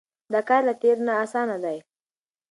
دا کار له تېر نه اسانه دی.